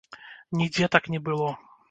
Нідзе так не было.